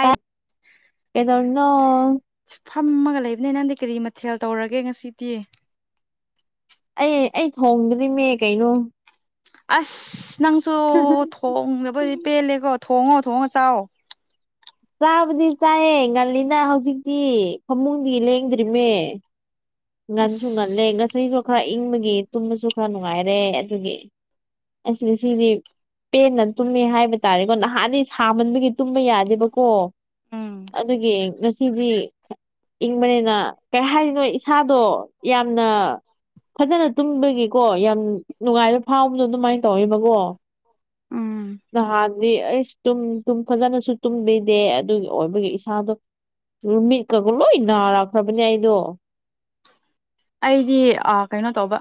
ꯇꯥꯏ ꯀꯩꯗꯧꯔꯤꯅꯣ? ꯐꯝꯃꯒ ꯂꯩꯕꯅꯦ꯫ ꯅꯪꯗꯤ ꯀꯔꯤ ꯃꯊꯦꯜ ꯇꯧꯔꯒꯦ ꯉꯁꯤꯗꯤ? ꯑꯩ ꯑꯩ ꯊꯣꯡꯗ꯭ꯔꯤꯃꯦ ꯀꯩꯅꯣ꯫ ꯑꯁ ꯅꯪꯁꯨ ꯊꯣꯡꯗꯕꯗꯤ ꯄꯦꯜꯂꯦꯀꯣ ꯊꯣꯡꯉꯣ ꯊꯣꯡꯉꯣ ꯆꯥꯎꯋꯣ꯫ ꯆꯥꯕꯗꯤ ꯆꯥꯏꯌꯦ ꯉꯜꯂꯤꯅ ꯍꯧꯖꯤꯛꯇꯤ ꯐꯃꯨꯡꯗꯤ ꯂꯦꯡꯗ꯭ꯔꯤꯃꯦ꯫ ꯑꯁ ꯉꯟꯁꯨ ꯉꯜꯂꯦ ꯉꯁꯤꯁꯨ ꯈꯔ ꯏꯪꯕꯒꯤ ꯇꯨꯝꯕꯁꯨ ꯈꯔ ꯅꯨꯡꯉꯥꯏꯔꯦ ꯑꯗꯨꯒꯤ꯫ ꯑꯦꯁ ꯉꯁꯤꯗꯤ__ ꯄꯦꯟꯅ ꯇꯨꯝꯃꯦ ꯍꯥꯏꯕ ꯇꯥꯔꯦꯀꯣ ꯅꯍꯥꯟꯗꯤ ꯁꯥꯃꯟꯕꯒꯤ ꯇꯨꯝꯕ ꯌꯥꯗꯦꯕꯀꯣ꯫ ꯑꯗꯨꯒꯤ ꯉꯁꯤꯗꯤ ꯏꯪꯕꯅꯤꯅ ꯀꯩ ꯍꯥꯏꯔꯤꯅꯣ ꯏ__ ꯁꯥꯗꯣ ꯌꯥꯝꯅ__ ꯐꯖꯅ ꯇꯨꯝꯕꯒꯤꯀꯣ ꯌꯥꯝ ꯅꯨꯡꯉꯥꯏꯕ ꯐꯥꯎꯕꯗꯣ ꯑꯗꯨꯃꯥꯏꯅ ꯇꯧꯋꯦꯕꯀꯣ꯫ ꯎꯝ꯫ ꯅꯍꯥꯟꯗꯤ ꯑꯩꯁ ꯇꯨꯝ ꯇꯨꯝ ꯐꯖꯅꯁꯨ ꯇꯨꯝꯕꯤꯗꯦ ꯑꯗꯨꯒꯤ ꯑꯣꯏꯕꯒꯤ ꯏꯁꯥꯗꯣ__ ꯃꯃꯤꯠꯀ ꯂꯣꯏ ꯅꯥꯔꯛꯈ꯭ꯔꯕꯅꯦ ꯑꯩꯗꯣ꯫ ꯑꯩꯗꯤ ꯑ ꯀꯩꯅꯣ ꯇꯧꯕ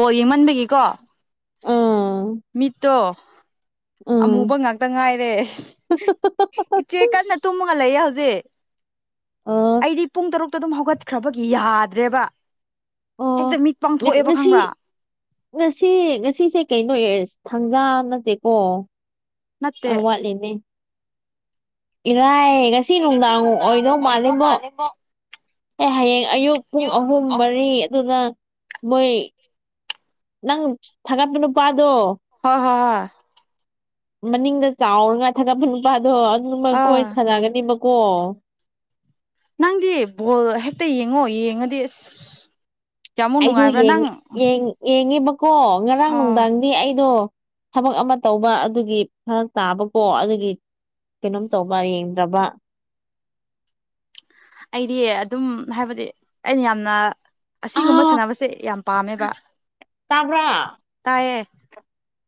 ꯕꯣꯜ ꯌꯦꯡꯃꯟꯕꯒꯤꯀꯣ__ ꯎꯝ ꯃꯤꯠꯇꯣ__ ꯎꯝ ꯑꯃꯨꯕ ꯉꯥꯛꯇ ꯉꯥꯏꯔꯦ ꯏꯆꯦ ꯀꯟꯅ ꯇꯨꯝꯃꯒ ꯂꯩꯌꯦ ꯍꯧꯖꯤꯛ꯫ ꯑ ꯑꯩꯗꯤ ꯄꯨꯡ ꯇꯔꯨꯛꯇ ꯗꯨꯝ ꯍꯧꯒꯠꯈ꯭ꯔꯕꯒꯤ ꯌꯥꯗ꯭ꯔꯦꯕ꯫ ꯍꯦꯛꯇ ꯑꯣ ꯃꯤꯠ ꯄꯥꯡꯊꯣꯛꯑꯦꯕ ꯉꯁꯤ ꯈꯪꯕ꯭ꯔꯥ꯫ ꯉꯁꯤ ꯉꯁꯤꯁꯦ ꯀꯩꯅꯣ ꯌꯦꯁ ꯊꯥꯡꯖꯥ ꯅꯠꯇꯦꯀꯣ꯫ ꯅꯠꯇꯦ ꯑ ꯋꯥꯠꯂꯤꯅꯦ꯫ ꯏꯔꯥꯏ ꯉꯁ__ ꯉꯁꯤ ꯅꯨꯡꯗꯥꯡ ꯑꯣꯏꯗꯧ ꯃꯥꯂꯦꯝꯕꯣ꯫ ꯑꯦ ꯍꯌꯦꯡ ꯑꯌꯨꯛ ꯄꯨꯡ ꯑꯍꯨꯝ ꯃꯔꯤ ꯑꯗꯨꯅ__ ꯃꯣꯏ ꯅꯪ ꯊꯥꯒꯠꯄ ꯅꯨꯄꯥꯗꯣ꯫ ꯍꯣ ꯍꯣ ꯍꯣꯏ꯫ ꯃꯅꯤꯡꯗ ꯆꯥꯎꯔꯒ ꯊꯥꯒꯠꯄ ꯅꯨꯄꯥꯗꯣ ꯑꯗꯨ ꯃꯈꯣꯏ ꯑꯥ ꯁꯥꯟꯅꯒꯅꯤꯕꯀꯣ꯫ ꯅꯪꯗꯤ ꯕꯣꯜ ꯍꯦꯛꯇ ꯌꯦꯡꯉꯣ ꯌꯦꯡꯉꯗꯤ ꯑꯁ, ꯀꯌꯥꯃꯨꯛ ꯑꯩꯗꯣ ꯅꯨꯡꯉꯥꯏꯕ꯭ꯔꯥ ꯌꯦꯡ ꯅꯪ ꯌꯦꯡ ꯌꯦꯉꯦꯕꯀꯣ ꯉꯔꯥꯡ ꯑꯣ ꯅꯨꯡꯗꯥꯡ ꯗꯤ ꯑꯩꯗꯣ ꯊꯕꯛ ꯑꯃ ꯇꯧꯕ ꯑꯗꯨꯒꯤ ꯐꯔꯛ ꯇꯥꯕꯀꯣ ꯑꯗꯨꯒꯤ__ ꯀꯩꯅꯣꯝ ꯇꯧꯕ ꯌꯦꯡꯗ꯭ꯔꯕ꯫ ꯑꯩꯗꯤ ꯑꯗꯨꯝ ꯍꯥꯏꯕꯗꯤ ꯑꯩꯅ ꯌꯥꯝꯅ__ ꯑꯁꯤꯒꯨꯝꯕ ꯑꯥ ꯁꯥꯟꯅꯕꯁꯦ ꯌꯥꯝ ꯄꯥꯝꯃꯦꯕ, ꯇꯥꯏꯌꯦ꯫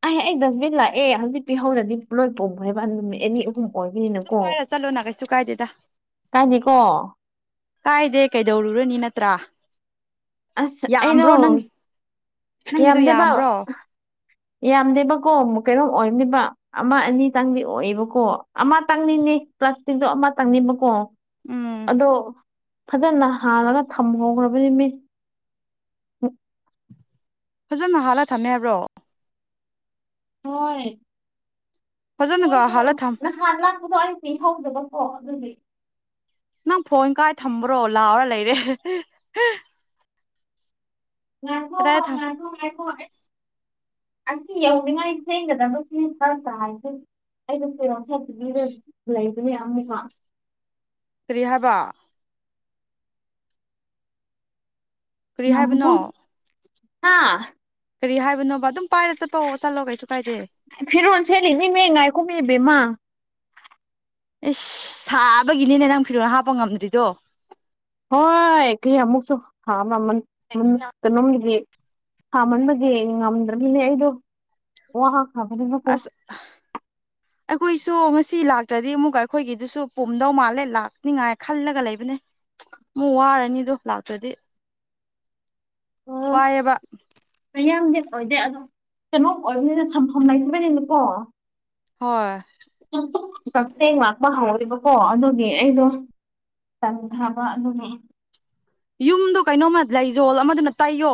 ꯑꯦ ꯑꯩ ꯗꯁꯕꯤꯟ ꯂꯥꯛꯑꯦ ꯍꯧꯖꯤꯛ ꯄꯤꯍꯧꯔꯗꯤ ꯂꯣꯏ ꯄꯨꯕꯅꯦꯕ ꯅꯨꯃꯤꯠ ꯑꯅꯤ ꯑꯍꯨꯝ꯫ ꯑꯗꯨꯝ ꯑꯣꯏꯕꯤꯅꯀꯣ ꯄꯥꯏꯔ ꯆꯠꯂꯣꯅ ꯀꯩꯁꯨ ꯀꯥꯏꯗꯦꯗ ꯀꯥꯏꯗꯤꯀꯣ ꯀꯥꯏꯗꯦ ꯀꯩꯗꯧꯔꯨꯔꯅꯤ ꯅꯠꯇ꯭ꯔꯥ ꯑꯁ ꯑꯩꯔꯣ ꯌꯥꯝꯕ꯭ꯔꯣ ꯅꯪ ꯅꯪꯒꯤꯗꯣ ꯌꯥꯝꯗꯦꯕ ꯌꯥꯝꯕ꯭ꯔꯣ ꯌꯥꯝꯗꯦꯕꯀꯣ ꯃꯨꯛ ꯀꯩꯅꯣꯝ ꯑꯣꯏꯝꯅꯦꯕ ꯑꯃ ꯑꯅꯤ ꯇꯪꯗꯤ ꯑꯣꯏꯌꯦꯕꯀꯣ ꯑꯃ ꯇꯪꯅꯤꯡꯅꯦ ꯄ꯭ꯂꯥꯁꯇꯤꯛꯖꯨ ꯑꯃꯇꯪꯅꯤꯕꯀꯣ ꯎꯝ ꯑꯗꯣ ꯐꯖꯅ ꯍꯥꯟꯂꯒ ꯊꯝꯍꯧꯈ꯭ꯔꯕꯅꯤ ꯃꯤ ꯐꯖꯅ ꯍꯥꯜꯂꯒ ꯊꯝꯃꯦ ꯍꯥꯏꯕ꯭ꯔꯣ ꯍꯣꯏ ꯐꯖꯅꯒ ꯍꯣꯏꯗꯣ ꯍꯥꯜꯂ ꯊꯝ ꯅꯍꯥꯟ ꯂꯥꯛꯄꯗꯣ ꯑꯩ ꯄꯤꯍꯧꯗꯕꯀꯣ ꯑꯗꯨꯗꯤ ꯅꯪ ꯐꯣꯟ ꯀꯥꯏ ꯊꯝꯕ꯭ꯔꯣ ꯂꯥꯎꯔ ꯂꯩꯔꯦ ꯉꯥꯏꯈꯣ ꯀꯗꯥꯏ ꯊꯝ ꯉꯥꯏꯈꯣ ꯉꯥꯏꯈꯣ ꯑꯩꯁ ꯑꯁꯤ ꯌꯧꯅꯤꯡꯉꯥꯏ ꯆꯦꯟꯒꯗꯕꯁꯤ ꯇ ꯇꯥꯏꯍꯦ ꯑꯩꯩꯅ ꯐꯤꯔꯣꯡ ꯁꯦꯠꯇꯒꯤꯗ ꯂꯩꯕꯅꯦ ꯑꯃꯨꯛꯀ ꯀꯔꯤ ꯍꯥꯏꯕ ꯀꯔꯤ ꯍꯥꯏꯕꯅꯣ ꯉꯥꯏꯈꯣꯀꯣ ꯍꯥ ꯀꯔꯤ ꯍꯥꯏꯕꯅꯣꯕ ꯑꯗꯨꯝ ꯄꯥꯏꯔ ꯆꯠꯄ ꯆꯠꯂꯣ ꯀꯩꯁꯨ ꯀꯥꯏꯗꯦ ꯐꯤꯔꯣꯟꯁꯦꯂꯤꯅꯤꯃꯤ ꯉꯥꯏꯈꯣꯃꯤ ꯕꯦꯝꯃ ꯏꯁ ꯁꯥꯕꯒꯤꯅꯤꯅꯦ ꯅꯪ ꯐꯤꯔꯣꯅ ꯍꯥꯞꯄ ꯉꯝꯗ꯭ꯔꯤꯗꯣ ꯍꯣꯏ ꯀꯌꯥꯃꯨꯛꯁꯨ ꯍꯥ ꯃꯥ ꯃꯩ ꯑꯃꯨꯛ ꯀꯩꯅꯣꯝꯒꯤ ꯁꯥꯃꯟꯕꯒꯤ ꯉꯝꯗ꯭ꯔꯅꯤꯅꯦ ꯑꯩꯗꯣ ꯑꯣ ꯍꯥ ꯈꯕꯅꯤꯅ ꯀꯣ ꯑ ꯑꯩꯈꯣꯏꯁꯨ ꯉꯁꯤ ꯂꯥꯛꯇ꯭ꯔꯗꯤ ꯑꯃꯨꯛꯀ ꯑꯩꯈꯣꯏꯒꯤꯗꯨꯁꯨ ꯄꯨꯝꯗꯧ ꯃꯥꯜꯂꯦ ꯂꯥꯛꯅꯤꯉꯥꯏ ꯈꯜꯂꯒ ꯂꯩꯕꯅꯦ ꯃꯨꯛ ꯋꯥꯔꯅꯤꯗꯣ ꯂꯥꯛꯇ꯭ꯔꯗꯤ ꯋꯥꯏꯌꯦꯕ ꯃꯌꯥꯝꯗꯤ ꯑꯣꯏꯗꯦ ꯑꯗꯣ ꯀꯩꯅꯣ ꯑꯣꯏꯕꯅꯤꯅ ꯊꯝꯐꯝ ꯂꯩꯇꯕꯅꯤꯅꯀꯣ ꯍꯣꯏ ꯀꯛꯊꯦꯡ ꯂꯥꯛꯄ ꯍꯧꯔꯦꯕꯀꯣ ꯑꯗꯨꯒꯤ ꯑꯩꯗꯣ ꯇꯟꯊꯕ ꯑꯗꯨꯒꯤ ꯌꯨꯝꯗꯣ ꯀꯩꯅꯣꯝꯃ ꯂꯩꯖꯣꯜ ꯑꯃꯗꯨꯅ ꯇꯩꯌꯣ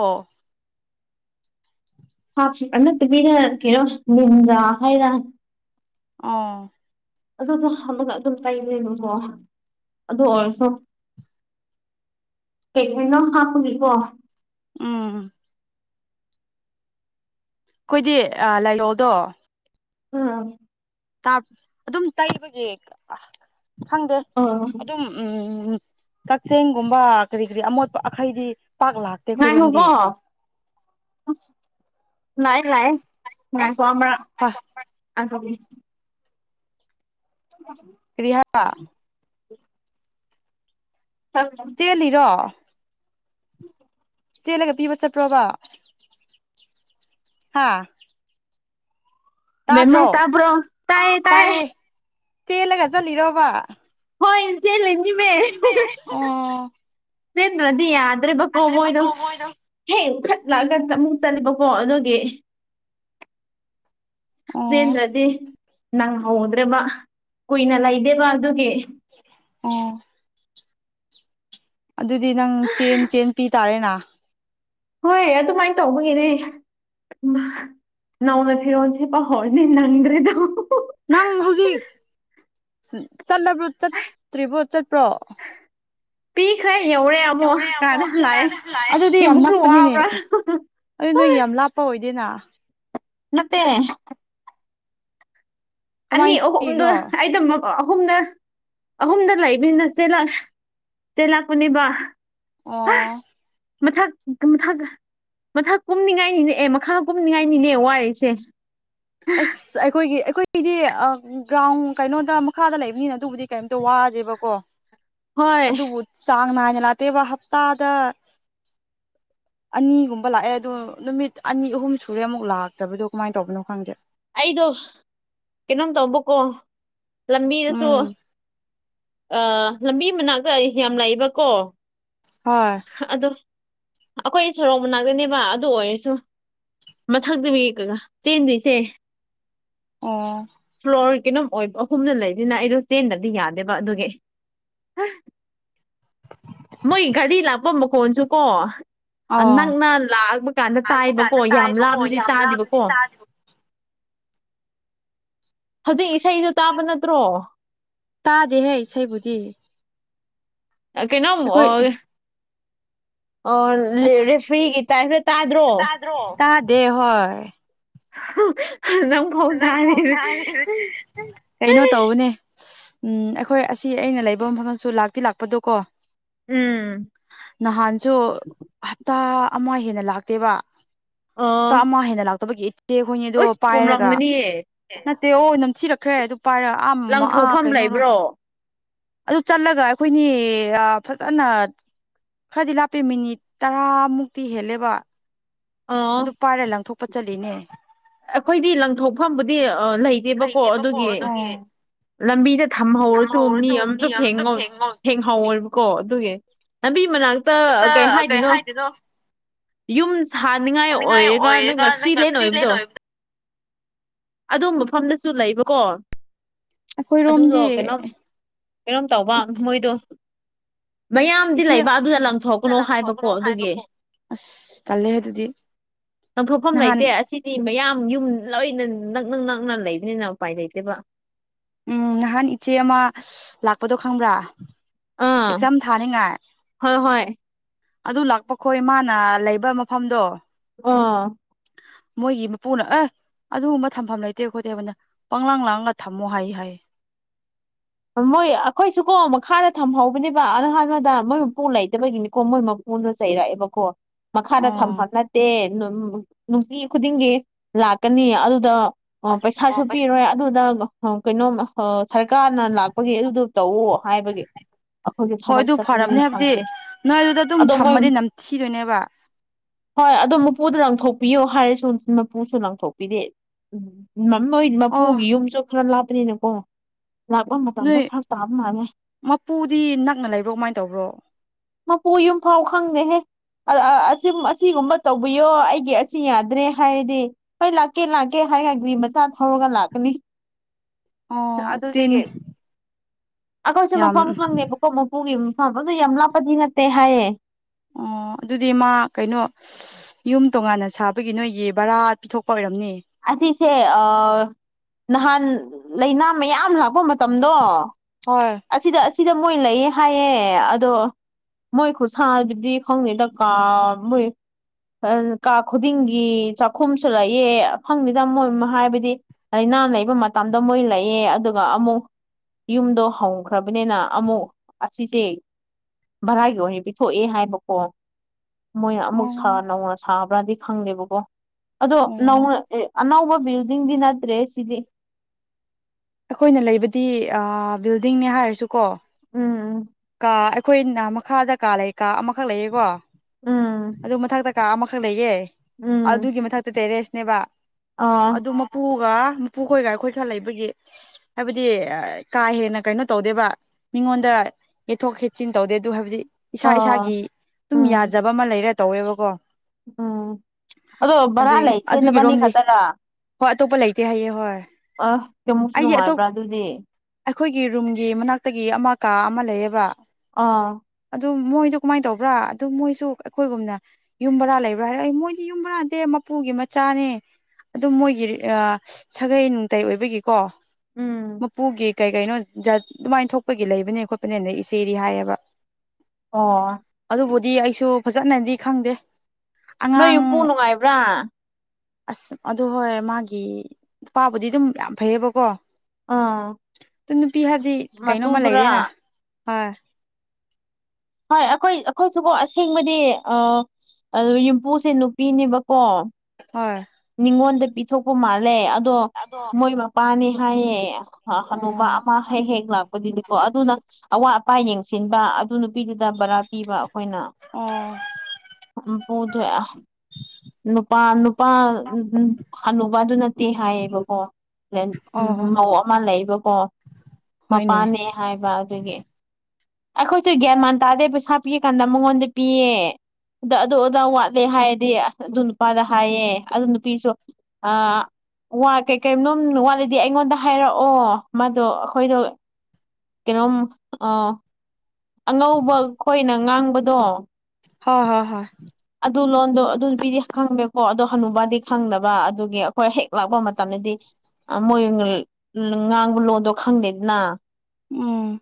ꯍꯥꯞ ꯑꯗꯨꯅꯠꯇꯕꯤꯅ ꯀꯩꯅꯣ ꯂꯤꯟꯖꯥ ꯍꯥꯏꯔ ꯑꯥ ꯑꯗꯨꯁꯨ ꯍꯞꯂꯒ ꯑꯗꯨꯝ ꯇꯩꯕꯅꯦꯕꯀꯣ ꯑꯗꯨ ꯑꯣꯏꯔꯁꯨ ꯀꯦꯛ ꯃꯤꯅꯣ ꯍꯥꯞꯄꯒꯤꯀꯣ ꯎꯝ ꯑꯩꯈꯣꯏꯗꯤ ꯑꯥ ꯂꯥꯏꯂꯣꯗꯣ ꯎꯝ ꯇꯥꯔ ꯑꯗꯨꯝ ꯇꯩꯕꯒꯤ ꯈꯪꯗꯦ ꯑꯥ ꯑꯗꯨꯝ ꯎꯝ ꯀꯛꯆꯦꯡꯒꯨꯝꯕ ꯀꯔꯤ ꯀꯔꯤ ꯑꯃꯣꯠꯄ ꯑꯈꯩꯗꯤ ꯄꯥꯛ ꯂꯥꯛ ꯉꯥꯏꯈꯣꯀꯣ ꯑꯁ ꯂꯥꯛꯑꯦ ꯂꯥꯛꯑꯦ ꯉꯥꯏꯈꯣ ꯑꯃꯨꯔꯛ ꯍ ꯑꯩ ꯍꯣꯕꯤ [unintelligible] ꯀ꯭ꯔꯤ ꯍꯥ [unintelligible] ꯆꯦꯜꯂꯤꯔꯣ ꯆꯦꯜꯂꯒ ꯄꯤꯕ ꯆꯠꯄ꯭ꯔꯣꯕ ꯍꯥꯥ ꯇꯥꯗ꯭ꯔꯣ ꯇꯥꯏꯌꯦ ꯆꯦꯜꯂꯒ ꯆꯠꯂꯤꯔꯣꯕ ꯍꯣꯏ ꯆꯦꯜꯂꯤꯅꯤꯃꯦ ꯆꯦꯟꯗ꯭ꯔꯥꯗꯤ ꯌꯥꯠ ꯇ꯭ꯔꯦꯕꯀꯣ ꯃꯣꯏꯗꯣ ꯍꯦꯛ ꯐꯠ ꯂꯥꯛꯑꯒ ꯆꯠ ꯑꯃꯨꯛ ꯆꯠꯂꯤꯕꯀꯣ ꯑꯗꯨꯒꯤ ꯑꯣ ꯆꯦꯟꯗ꯭ꯔꯥꯗꯤ ꯅꯪꯍꯧꯗ꯭ꯔꯦꯕ ꯀꯨꯏꯅ ꯂꯩꯗꯦꯕ ꯑꯗꯨꯒꯤ ꯑꯣ ꯑꯗꯨꯗꯤ ꯅꯪ ꯆꯦꯟ ꯆꯦꯟ ꯄꯤ ꯇꯥꯔꯦꯅ ꯍꯣꯏ ꯑꯗꯨꯃꯥꯏꯟ ꯇꯧꯕꯒꯤꯅꯤ ꯏꯃꯥ ꯅꯧꯅ ꯐꯤꯔꯣꯟ ꯁꯦꯠꯄ ꯍꯧꯔꯅꯤ ꯅꯪꯗ꯭ꯔꯦꯗꯣ ꯅꯪ ꯍꯧꯖꯤꯛ ꯆꯠꯂꯕ꯭ꯔꯣ ꯆꯠꯇ꯭ꯔꯤꯕꯣ ꯆꯠꯄ꯭ꯔꯣ ꯄꯤꯈ꯭ꯔꯦ ꯌꯧꯔꯦ ꯑꯃꯨꯛ ꯌꯧꯔꯦ ꯀꯥꯗ ꯑꯃꯨꯛ ꯇꯥꯜꯂ ꯂꯥꯛꯑꯦ ꯑꯗꯨꯗꯤ ꯌꯥꯝ ꯀꯌꯥꯃꯨꯛꯁꯨ ꯅꯛꯄꯅꯤꯅꯦ ꯋꯥꯕ꯭ꯔꯥ ꯑꯗꯨ ꯅꯣꯏ ꯌꯥꯝ ꯂꯥꯞ ꯄ ꯑꯣꯏꯗꯦꯅ ꯅꯠꯇꯦ ꯑꯅꯤ ꯀꯃꯥꯏꯅ ꯑꯍꯨꯝꯗꯣ ꯄꯤꯔꯤꯅꯣ ꯑꯩꯗꯥ ꯃꯛ ꯑꯣ ꯑꯍꯨꯝꯗꯥ ꯑꯍꯨꯝꯗꯥ ꯂꯩꯕꯅꯤꯅ ꯆꯦꯜꯂꯛ ꯆꯦꯜꯂꯛ ꯄꯅꯦꯕ ꯑꯣ ꯃꯊꯛ ꯃꯊꯛ ꯃꯊꯛ ꯀꯨꯝꯅꯤꯡꯉꯥꯏꯅꯤꯅꯦ ꯑꯦ ꯃꯈꯥ ꯀꯨꯝꯅꯤꯡꯉꯥꯏꯅꯤꯅꯦ ꯋꯥꯔꯤꯁꯦ ꯑꯁ ꯑꯩꯈꯣꯏꯒꯤ ꯑꯩꯈꯣꯏꯒꯤꯗꯤ ꯑꯝ ꯒ꯭ꯔꯥꯎꯟ ꯀꯩꯅꯣꯗ ꯃꯈꯥꯗ ꯂꯩꯕꯅꯤꯅ ꯑꯗꯨꯕꯨꯗꯤ ꯀꯩꯝꯇꯥ ꯋꯥꯗꯦꯕꯀꯣ ꯍꯣꯏ ꯑꯗꯨꯕꯨ ꯆꯥꯡ ꯅꯥꯏꯅ ꯂꯥꯛꯇꯦꯕ ꯍꯞꯇꯥꯗ ꯑꯅꯤꯒꯨꯝꯕ ꯂꯥꯛꯑꯦ ꯑꯗꯣ ꯅꯨꯃꯤꯠ ꯑꯅꯤ ꯑꯍꯨꯝ ꯁꯨꯔꯦ ꯑꯃꯨꯛ ꯂꯥꯛꯇꯕꯗꯣ ꯀꯃꯥꯏꯟ ꯇꯧꯕꯅꯣ ꯈꯪꯗꯦ ꯑꯩꯗꯣ ꯀꯩꯅꯣꯝ ꯇꯧꯕꯀꯣ ꯂꯝꯕꯤꯗꯥꯁꯨ ꯎꯝ ꯑꯥ ꯂꯝꯕꯤ ꯃꯅꯥꯛꯇꯥ ꯌꯥꯝ ꯂꯩꯕꯀꯣ ꯍꯣꯏ ꯍꯥ ꯑꯗꯨꯝ ꯑꯈꯣꯏ ꯁꯣꯔꯣꯛ ꯃꯅꯥꯛꯗꯅꯦꯕ ꯑꯗꯨ ꯑꯣꯏꯔꯁꯨ ꯃꯊꯛꯗꯋꯤ ꯀꯥꯒꯥ ꯆꯦꯟꯗꯣꯏꯁꯦ ꯑꯣ ꯐ꯭ꯂꯣꯔ ꯀꯩꯅꯣꯝ ꯑꯣꯏꯕ ꯑꯍꯨꯝꯅ ꯂꯩꯕꯅꯤꯅ ꯑꯩꯗꯣ ꯆꯦꯟꯗꯗꯤ ꯌꯥꯗꯦꯕ ꯑꯗꯨꯒꯤ [inaudible] ꯃꯣꯏ ꯒꯥꯔꯤ ꯂꯥꯛꯄ ꯃꯈꯣꯟꯁꯨ ꯀꯣ ꯑꯥ ꯑꯣ ꯅꯛꯅ ꯂꯥꯛꯑꯕ ꯀꯥꯟꯗ ꯂꯥꯛꯄ ꯇꯥꯏꯕꯀꯣ ꯀꯥꯟꯗ ꯌꯥꯝ ꯇꯥꯏꯕꯀꯣ ꯂꯥꯞꯔꯗꯤ ꯌꯥꯝ ꯂꯥꯞꯅꯗꯤ ꯇꯥꯗꯦꯕꯀꯣ ꯇꯥꯗꯦꯕ ꯍꯧꯖꯤꯛ ꯏꯁꯩꯗꯨ ꯇꯥꯕ ꯅꯠꯇ꯭ꯔꯣ ꯇꯥꯗꯦꯍꯦ ꯏꯁꯩꯕꯨꯗꯤ ꯑꯥ ꯀꯩꯅꯣꯝ ꯑꯩꯈꯣꯏ ꯑꯣꯏ ꯑꯣꯟ ꯂꯦ ꯔꯦꯐ꯭ꯔꯤꯒꯤ ꯇꯥꯏꯞꯇꯥ ꯇꯥꯗ꯭ꯔꯣ ꯗ꯭ꯔꯣ ꯇꯥꯗꯦ ꯍꯣꯏ [unintelligible] ꯅꯪ ꯅꯪ [unintelligible] ꯀꯩꯅꯣ ꯇꯧꯕꯅꯦ ꯎꯝ ꯑꯩꯈꯣꯏ ꯑꯁꯤ ꯑꯩꯅ ꯂꯩꯕ ꯃꯐꯝꯗꯁꯨ ꯂꯥꯛꯇꯤ ꯂꯥꯛꯄꯗꯣ ꯀꯣ ꯎꯝ ꯅꯍꯥꯟꯁꯨ ꯍꯞꯇꯥ ꯑꯃ ꯍꯦꯟꯅ ꯂꯥꯛꯇꯦꯕ ꯑꯣ ꯇꯥ ꯑꯃ ꯍꯦꯟꯅ ꯂꯥꯛꯇꯕꯒꯤ ꯏꯆꯦꯈꯣꯏꯅꯤ ꯗꯣ ꯑꯁ ꯄꯥꯏꯔꯒ [unintelligible] ꯅꯠꯇꯦ ꯑꯣ ꯅꯝꯊꯤꯔꯛꯈ꯭ꯔꯦ ꯑꯗꯨ ꯄꯥꯏꯔꯒ ꯑꯥ ꯑꯥ ꯂꯪꯊꯣꯛꯐꯝ ꯀꯩꯅꯣꯔꯣ ꯂꯩꯕ꯭ꯔꯣ ꯑꯗꯨ ꯆꯠꯂꯒ ꯑꯩꯈꯣꯏꯅꯤ ꯐꯖꯅ ꯈꯔꯗꯤ ꯂꯥꯞꯄꯦ ꯃꯤꯅꯤꯠ ꯇꯔꯥꯃꯨꯛꯇꯤ ꯍꯦꯜꯂꯦꯕ ꯑ ꯑꯗꯨ ꯄꯥꯏꯔꯦ ꯂꯪꯊꯣꯛꯄ ꯆꯠꯂꯤꯅꯦ ꯑꯩꯈꯣꯏꯗꯤ ꯂꯪꯊꯣꯛꯐꯝꯕꯨꯗꯤ ꯑꯥ ꯂꯩꯇꯦꯕꯀꯣ ꯑꯗꯨꯒꯤ ꯂꯝꯕꯤꯗ ꯊꯝꯍꯧꯔꯁꯨ ꯃꯤ ꯑꯝꯇ ꯐꯦꯡꯉꯣꯏ ꯍꯦꯡꯍꯥꯎꯋꯣꯏꯕꯀꯣ ꯑꯗꯨꯒꯤ ꯂꯝꯕꯤ ꯃꯅꯥꯛꯇ ꯀꯩ ꯍꯥꯏꯗꯣꯏꯅꯣ ꯌꯨꯝ ꯁꯥꯅꯤꯡꯉꯥꯏ ꯆꯅꯤꯡꯉꯥꯏ ꯑꯣꯏꯔꯒ ꯅꯪ ꯅꯪꯅ ꯐ꯭ꯔꯤꯂꯦꯟ ꯐ꯭ꯔꯤ ꯂꯦꯟ ꯑꯣꯏꯕꯗꯣ ꯑꯣꯏꯕꯗ ꯑꯗꯨ ꯃꯐꯝꯗꯁꯨ ꯂꯩꯕꯀꯣ ꯑꯗꯨꯗꯣ ꯑꯩꯈꯣꯏꯔꯣꯝꯗꯤ ꯀꯩꯅꯣꯝ ꯀꯩꯅꯣꯝ ꯇꯧꯕ ꯃꯣꯏꯗꯣ ꯃꯌꯥꯝꯗꯤ ꯏꯆꯦ ꯂꯩꯕ ꯑꯗꯨꯗ ꯂꯪꯊꯣꯛꯀꯅꯣ ꯍꯥꯏꯕꯀꯣ ꯂꯪꯊꯣꯛꯀꯅꯨ ꯑꯗꯨꯒꯤ ꯍꯥꯏꯕꯀꯣ ꯑꯁ ꯇꯜꯂꯦꯍꯦ ꯑꯗꯨꯗꯤ ꯂꯪꯊꯣꯛꯐꯝ ꯅꯍꯥꯟ ꯂꯩꯇꯦ ꯑꯁꯤ ꯃꯌꯥꯝ ꯌꯨꯝ ꯂꯣꯢꯅ ꯅꯛꯅ ꯅꯛꯅ ꯂꯩꯕꯅꯤꯅ ꯎꯄꯥꯏ ꯂꯩꯇꯦꯕ ꯎꯝ ꯅꯍꯥꯟ ꯏꯆꯦ ꯑꯃ ꯂꯥꯛꯄꯗꯣ ꯈꯪꯕ꯭ꯔꯥ ꯑꯥ ꯑꯦꯛꯖꯥꯝ ꯊꯥꯅꯤꯡꯉꯥꯏ ꯍꯣꯏ ꯍꯣꯏ ꯑꯗꯨ ꯂꯥꯛꯄ ꯈꯣꯏ ꯃꯥꯅ ꯂꯩꯕ ꯃꯐꯝꯗꯣ ꯑꯥ ꯃꯣꯏꯒꯤ ꯃꯄꯨꯅ ꯑꯦ ꯑꯗꯨꯒꯨꯝꯕ ꯊꯝꯐꯝ ꯂꯩꯇꯦ ꯈꯣꯠꯇꯦꯕꯅ ꯄꯪꯂꯥꯡ ꯂꯥꯡꯂꯒ ꯊꯝꯃꯣ ꯍꯥꯏ ꯍꯥꯏꯌꯦ ꯃꯣꯏ ꯑꯩꯈꯣꯏꯁꯨꯀꯣ ꯃꯈꯥꯗ ꯊꯝꯍꯧꯕꯅꯦꯕ [unintelligible] [unintelligible] ꯃꯣꯏ ꯃꯄꯨ ꯂꯩꯇꯕꯒꯤꯅꯤꯀꯣ ꯃꯣꯏ ꯑꯩꯉꯣꯟꯗ ꯆꯩꯔꯛꯑꯦꯕꯀꯣ ꯃꯈꯥꯗ ꯑꯣ ꯊꯝꯐꯝ ꯅꯠꯇꯦ ꯅꯨꯡꯇꯤ ꯈꯨꯗꯤꯡꯒꯤ ꯂꯥꯛꯀꯅꯤ ꯑꯗꯨꯗ ꯑꯣ ꯄꯩꯁꯥꯁꯨ ꯄꯤꯔꯣꯏ ꯑꯗꯨꯗ ꯀꯩꯅꯣꯃꯥ ꯁꯥꯔꯀꯥꯔ ꯍꯥꯟꯅ ꯂꯥꯛꯄꯒꯤ ꯑꯗꯨꯗꯣ ꯇꯧꯋꯣ ꯍꯥꯏꯕꯒꯤ ꯑꯩꯈꯣꯏꯒꯤ ꯍꯣꯏ ꯊꯕꯛ ꯑꯗꯨ ꯆꯠꯄꯅꯤꯅ ꯐꯔꯕꯅꯦ ꯍꯥꯏꯕꯗꯤ ꯁꯪꯗꯦ ꯅꯣꯏ ꯑꯗꯨꯗ ꯑꯗꯨꯝ ꯑꯗꯣ ꯃꯣꯢ ꯊꯝꯃꯗꯤ ꯅꯝꯊꯤꯗꯣꯏꯅꯦꯕ ꯍꯣꯏ ꯑꯗꯣ ꯃꯄꯨꯗ ꯂꯪꯊꯣꯛꯄꯤꯌꯣ ꯍꯥꯏꯔꯁꯨ ꯃꯄꯨꯁꯨ ꯂꯪꯊꯣꯛꯄꯤꯗꯦ ꯎꯝ ꯃꯣꯏ ꯑꯣ ꯃꯄꯨꯒꯤ ꯌꯨꯝꯁꯨ ꯈꯔ ꯂꯥꯞꯄꯅꯤꯅꯀꯣ ꯂꯥꯛꯄ ꯃꯇꯝꯗ ꯅꯣꯏ ꯐꯥꯔꯁ ꯇꯥꯕ ꯃꯥꯂꯦ ꯃꯄꯨꯗꯤ ꯅꯛꯅ ꯂꯩꯕ꯭ꯔꯣ ꯀꯃꯥꯏꯅ ꯇꯧꯕ꯭ꯔꯣ ꯃꯄꯨ ꯌꯨꯝꯐꯥꯎ ꯈꯪꯗꯦꯍꯦ ꯑꯁꯤꯒꯨꯝꯕ ꯇꯧꯕꯤꯌꯣ ꯑꯩꯒꯤ ꯑꯁꯤ ꯌꯥꯗ꯭ꯔꯦ ꯍꯥꯏꯔꯗꯤ ꯍꯣꯏ ꯂꯥꯛꯀꯦ ꯂꯥꯛꯀꯦ ꯍꯥꯏꯔꯒ ꯒꯔꯤ ꯃꯆꯥ ꯊꯧꯔꯒ ꯂꯥꯛꯀꯅꯤ ꯑꯣ ꯑꯗꯨꯗꯤ ꯑꯗꯨꯗꯒꯤ ꯑꯩꯈꯣꯏꯁꯨ ꯃꯐꯝ ꯈꯪꯗꯦꯕꯀꯣ ꯃꯄꯨꯒꯤ ꯃꯐꯝ ꯑꯗꯨ ꯌꯥꯝ ꯂꯥꯞꯄꯗꯤ ꯅꯠꯇꯦ ꯍꯥꯏꯌꯦ ꯑꯣ ꯑꯗꯨꯗꯤ ꯃꯥ ꯀꯩꯅꯣ ꯌꯨꯝ ꯇꯣꯉꯥꯟꯅ ꯁꯥꯕꯒꯤ ꯅꯣꯏꯒꯤ ꯕꯔꯥ ꯄꯤꯊꯣꯛꯄ ꯑꯣꯏꯔꯝꯅꯤ ꯑꯁꯤꯁꯦ ꯅꯍꯥꯟ ꯂꯥꯏꯅꯥ ꯃꯌꯥꯝ ꯂꯥꯛꯄ ꯃꯇꯝꯗꯣ ꯍꯣꯏ ꯑꯁꯤꯗ ꯑꯁꯤꯗ ꯃꯣꯏ ꯂꯩꯌꯦ ꯍꯥꯏꯌꯦ ꯑꯗꯣ ꯃꯣꯏ ꯈꯨꯠꯁꯥꯗꯨꯗꯤ ꯈꯪꯗꯦꯗ ꯀꯥ ꯃꯣꯏ ꯀꯥ ꯈꯨꯗꯤꯡꯒꯤ ꯆꯥꯛꯈꯨꯝꯁꯨ ꯂꯩꯑꯦ ꯈꯪꯗꯦꯗ ꯃꯣꯏꯅ ꯍꯥꯏꯕꯗꯤ ꯂꯥꯏꯅꯥ ꯂꯩꯕ ꯃꯇꯝꯗ ꯃꯣꯏ ꯂꯩꯌꯦ ꯑꯗꯨꯒ ꯑꯃꯨꯛ ꯌꯨꯝꯗꯣ ꯍꯣꯡꯈ꯭ꯔꯕꯅꯤꯅ ꯑꯃꯨꯛ ꯑꯁꯤꯁꯦ ꯚꯔꯥꯒꯤ ꯑꯣꯏꯅ ꯄꯤꯊꯣꯛꯑꯦ ꯍꯥꯏꯕꯀꯣ ꯃꯣꯏꯅ ꯑꯃꯨꯛ ꯁꯥ ꯑꯣ ꯅꯧꯅ ꯁꯥꯕ꯭ꯔꯥꯗꯤ ꯈꯪꯗꯦꯕꯀꯣ ꯑꯗꯣ ꯑꯣ ꯅꯧꯅ ꯑꯦ ꯑꯅꯧꯕ ꯕꯤꯜꯗꯤꯡꯗꯤ ꯅꯠꯇ꯭ꯔꯦ ꯁꯤꯗꯤ ꯑꯩꯈꯣꯏꯅ ꯂꯩꯕꯗꯤ ꯑꯥ ꯕꯤꯜꯗꯤꯡꯅꯦ ꯍꯥꯏꯔꯁꯨ ꯀꯣ ꯎꯝ ꯎꯝ ꯀꯥ ꯑꯩꯈꯣꯏꯅ ꯃꯈꯥꯗ ꯀꯥ ꯂꯩ ꯀꯥ ꯑꯃꯈꯛ ꯂꯩꯌꯦꯀꯣ ꯎꯝ ꯑꯗꯨ ꯃꯊꯛꯇ ꯀꯥ ꯑꯃꯈꯛ ꯂꯩꯌꯦ ꯎꯝ ꯑꯗꯨꯒꯤ ꯃꯊꯛꯇ ꯇꯦꯔꯦꯁꯅꯦꯕ ꯑꯥ ꯑꯗꯨ ꯃꯄꯨꯒꯥ ꯃꯄꯨꯈꯣꯏꯒ ꯑꯩꯈꯣꯏ ꯈꯔ ꯂꯩꯕꯒꯤ ꯍꯥꯏꯕꯗꯤ ꯀꯥ ꯍꯦꯟꯅ ꯀꯩꯅꯣ ꯇꯧꯗꯦꯕ ꯃꯤꯉꯣꯟꯗ ꯌꯦꯠꯊꯣꯛ ꯈꯦꯠꯆꯤꯟ ꯇꯧꯗꯦ ꯑꯗꯨ ꯍꯥꯏꯕꯗꯤ ꯏꯁꯥ ꯏꯁꯥꯒꯤ ꯑꯥ ꯑꯗꯨꯝ ꯎꯝ ꯌꯥꯖꯕ ꯑꯃ ꯂꯩꯔ ꯇꯧꯋꯦꯕꯀꯣ ꯎꯝ ꯑꯗꯣ ꯚꯥꯔꯥ ꯑꯗꯨꯏ ꯂꯩꯔꯤꯁꯦ ꯅꯣꯏꯕꯥꯅꯤ ꯑꯗꯨꯒꯤꯔꯣꯝꯗꯤ ꯈꯛꯇꯔꯥ ꯍꯣꯏ ꯑꯇꯣꯞꯄ ꯂꯩꯇꯦ ꯍꯥꯏꯌꯦ ꯍꯣꯏ ꯑ ꯀꯌꯥꯃꯨꯛꯁꯨ ꯑꯩꯒꯤ ꯑꯇꯣꯞ ꯅꯨꯡꯉꯥꯏꯕ꯭ꯔꯥ ꯑꯗꯨꯗꯤ ꯑꯩꯈꯣꯏꯒꯤ ꯔꯨꯝꯒꯤ ꯃꯅꯥꯛꯇꯒꯤ ꯑꯃ ꯀꯥ ꯑꯃ ꯂꯩꯌꯦꯕ ꯑꯥ ꯑꯗꯨ ꯃꯣꯏꯗꯣ ꯀꯃꯥꯏꯅ ꯇꯧꯕ꯭ꯔꯥ ꯑꯗꯨ ꯃꯣꯏꯁꯨ ꯑꯩꯈꯣꯏꯒꯨꯝꯅ ꯌꯨꯝ ꯕꯔꯥ ꯂꯩꯕ꯭ꯔꯥ ꯍꯥꯏꯔ ꯑꯩ ꯃꯣꯏꯗꯤ ꯌꯨꯝ ꯚꯥꯔꯥ ꯅꯠꯇꯦ ꯃꯄꯨꯒꯤ ꯃꯆꯥꯅꯦ ꯑꯗꯨꯝ ꯃꯣꯏꯒꯤ ꯑꯥ ꯁꯥꯒꯩ ꯅꯥꯇꯩ ꯑꯣꯏꯕꯒꯤꯀꯣ ꯎꯝ ꯃꯄꯨꯒꯤ ꯀꯩ ꯀꯩꯅꯣ ꯖꯠ ꯑꯗꯨꯃꯥꯏꯅ ꯊꯣꯛꯄꯒꯤ ꯂꯩꯕꯅꯦ ꯈꯣꯠꯄꯅꯦꯅ ꯏꯆꯦꯗꯤ ꯍꯥꯏꯌꯦꯕ ꯑꯣ ꯑꯗꯨꯕꯨꯗꯤ ꯑꯩꯁꯨ ꯐꯖꯅꯗꯤ ꯈꯪꯗꯦ ꯅꯣꯏ ꯑꯉꯥꯡ ꯌꯨꯝꯄꯨ ꯅꯨꯡꯉꯥꯏꯕ꯭ꯔꯥ ꯑꯁ ꯑꯗꯨ ꯍꯣꯏ ꯃꯥꯒꯤ ꯅꯨꯄꯥꯕꯨꯗꯤ ꯑꯗꯨꯝ ꯌꯥꯝ ꯐꯩꯌꯦꯕꯀꯣ ꯑꯥ ꯑꯗꯨ ꯅꯨꯄꯤ ꯍꯥꯏꯕꯗꯤ ꯀꯩꯅꯣꯝꯃ ꯃꯇꯨꯗꯨꯔꯥ ꯂꯩꯔꯦꯅꯥ ꯍꯣꯏ ꯍꯣꯏ ꯑꯩꯈꯣꯏ ꯑꯩꯈꯣꯏꯁꯨꯀꯣ ꯑꯁꯦꯡꯕꯗꯤ ꯑꯥ ꯑꯗꯣ ꯌꯨꯝꯄꯨꯁꯦ ꯅꯨꯄꯤꯅꯦꯕꯀꯣ ꯍꯣꯏ ꯃꯤꯉꯣꯟꯗ ꯄꯤꯊꯣꯛꯄ ꯃꯥꯜꯂꯦ ꯑꯗꯣ ꯃꯣꯏ ꯃꯄꯥꯅꯦ ꯍꯥꯏꯌꯦ ꯍꯅꯨꯕ ꯑꯣ ꯑꯃ ꯍꯦꯛ ꯍꯦꯛ ꯂꯥꯛꯄꯗꯨꯗꯤꯀꯣ ꯑꯗꯨꯅ ꯑꯋꯥꯠ ꯑꯄꯥ ꯌꯦꯡꯁꯤꯟꯕ ꯑꯗꯨꯅ ꯅꯨꯄꯤꯗꯨꯗ ꯕꯔꯥ ꯄꯤꯕ ꯑꯩꯈꯣꯏꯅ ꯑꯣ [unintelligible] ꯅꯨꯄꯥ ꯅꯨꯄꯥ ꯍꯅꯨꯕ ꯑꯗꯨ ꯅꯠꯇꯦ ꯍꯥꯏꯌꯦꯕꯀꯣ ꯑꯣ ꯃꯧ ꯑꯃ ꯂꯩꯕꯀꯣ ꯍꯣꯏꯅꯦ ꯃꯄꯥꯅꯦ ꯍꯥꯏꯑꯦꯕ ꯑꯗꯨꯒꯤ ꯑꯩꯈꯣꯏꯁꯨ ꯒ꯭ꯌꯥꯟ ꯃꯥꯟ ꯇꯥꯗꯦ ꯄꯩꯁꯥ ꯄꯤ ꯀꯥꯟꯗ ꯃꯉꯣꯟꯗ ꯄꯤꯌꯦ ꯑꯗ ꯑꯗꯨ ꯑꯗꯥ ꯋꯥꯠꯂꯦ ꯍꯥꯏꯔꯗꯤ ꯑꯗꯨ ꯅꯨꯄꯥꯗ ꯍꯥꯏꯌꯦ ꯑꯗꯨ ꯅꯨꯄꯤꯁꯨ ꯑꯥ ꯋꯥ ꯀꯩ ꯀꯩꯅꯣꯝ ꯋꯥꯠꯂꯗꯤ ꯑꯩꯉꯣꯟꯗ ꯍꯥꯏꯔꯛꯑꯣ ꯃꯥꯗꯣ ꯑꯩꯈꯣꯏꯗꯣ ꯀꯩꯅꯣꯝ ꯑꯥ ꯑꯉꯧꯕ ꯈꯣꯏꯅ ꯉꯥꯡꯕꯗꯣ ꯍꯣ ꯍꯣꯏ ꯍꯣꯏ ꯑꯗꯨ ꯂꯣꯟꯗꯣ ꯑꯗꯨ ꯄꯗꯤ ꯈꯪꯂꯦꯀꯣ ꯑꯗꯨ ꯍꯅꯨꯕꯥꯗꯤ ꯈꯪꯗꯕ ꯑꯗꯨꯒꯤ ꯑꯩꯈꯣꯏ ꯍꯦꯛ ꯂꯥꯛꯄ ꯃꯇꯝꯗꯗꯤ ꯑꯥ ꯃꯣꯏꯒꯤ ꯉꯥꯡꯕ ꯂꯣꯟꯗꯣ ꯈꯪꯗꯦꯗꯅ ꯎꯝ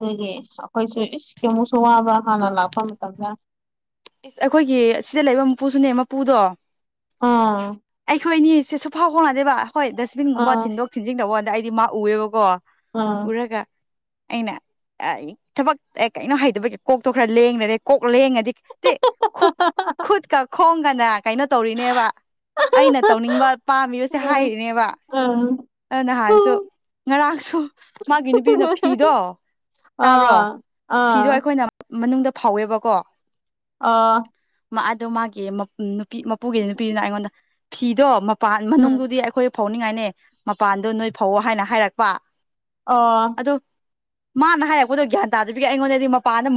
ꯑꯗꯨꯒꯤ ꯑꯩꯈꯣꯏꯁꯨ ꯏꯁ ꯌꯨꯝꯕꯨꯁꯨ ꯋꯥꯕ ꯍꯥꯟꯅ ꯂꯥꯛꯄ ꯃꯇꯝꯗ ꯏꯁ ꯑꯩꯈꯣꯏꯒꯤ ꯁꯤꯗ ꯂꯩꯕ ꯃꯄꯨꯁꯨꯅꯦ ꯃꯄꯨꯗꯣ ꯑꯥ ꯑꯩꯈꯣꯏ ꯑꯅꯤꯁꯦ ꯁꯨꯐꯥꯎ ꯐꯥꯎꯅꯗꯦꯕ ꯍꯣꯏ ꯗꯁꯕꯤꯟꯒꯨꯝꯕ ꯑꯥ ꯊꯤꯟꯗꯣꯛ [unintelligible] ꯑꯩꯗꯤ ꯃꯥ ꯎꯏꯌꯦꯕꯀꯣ ꯑꯥ ꯎꯔꯒ ꯑꯩꯅ ꯑꯩ ꯊꯕꯛ ꯑꯦ ꯀꯩꯅꯣ ꯍꯩꯇꯕꯒꯤ ꯀꯣꯛꯇꯣ ꯈꯔ ꯂꯦꯡꯅꯔꯦ ꯀꯣꯛ ꯂꯦꯡꯉꯗꯤ ꯨ ꯁꯤ ꯈꯨꯛ ꯈꯨꯠꯀ ꯈꯣꯡꯒꯅ ꯀꯩꯅꯣ ꯇꯧꯔꯤꯅꯦꯕ ꯑꯩꯅ ꯇꯧꯅꯤꯡꯕ ꯄꯥꯝꯃꯤꯕꯁꯦ ꯍꯥꯏꯔꯤꯅꯦꯕ꯫ ꯑꯥ ꯑꯥ ꯑ ꯅꯍꯥꯟꯁꯨ ꯉꯔꯥꯡꯁꯨ ꯃꯥꯒꯤ ꯅꯨꯄꯤꯗꯨꯅ ꯐꯤꯗꯣ꯫ ꯇꯥꯕ꯭ꯔꯣ ꯑꯥ ꯐꯤꯗꯣ ꯑꯥ ꯑꯩꯈꯣꯏꯅ ꯃꯅꯨꯡꯗ ꯐꯧꯋꯦꯕꯀꯣ꯫ ꯑꯥ꯫ ꯃꯥ ꯑꯗꯣ ꯃꯥꯒꯤ ꯃꯞ ꯅꯨꯄꯤ ꯃꯄꯨꯒꯤꯗꯤ ꯅꯨꯄꯤꯗꯨꯅ ꯑꯩꯉꯣꯟꯗ ꯐꯤꯗꯣ ꯃꯄꯥꯟ ꯎꯝ ꯃꯅꯨꯡꯗꯨꯗꯤ ꯑꯩꯈꯣꯏ ꯐꯧꯅꯤꯡꯉꯥꯏꯅꯦ ꯃꯄꯥꯟꯗꯣ ꯅꯣꯏ ꯐꯧꯑꯣ ꯍꯥꯏꯅ ꯍꯥꯏꯔꯛꯄꯥ꯫ ꯑꯣ꯫ ꯑꯗꯣ ꯃꯥꯅ ꯍꯥꯏꯔꯛꯄꯗꯣ ꯒ꯭ꯌꯥꯟ ꯇꯥꯗꯕꯤꯒꯦ ꯑꯩꯉꯣꯟꯗꯗꯤ ꯃꯄꯥꯟꯗ